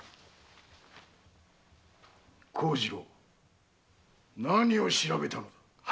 幸次郎何を調べたのだ？